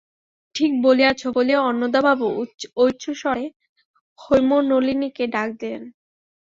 ঠিক বলিয়াছ বলিয়া অন্নদাবাবু উচ্চৈঃস্বরে হেমনলিনীকে ডাক দিলেন।